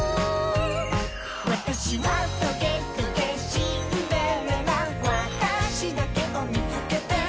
「わたしはトゲトゲシンデレラ」「わたしだけをみつけて」